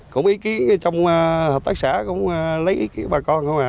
cũng ý kiến trong hợp tác xã cũng lấy ý kiến bà con thôi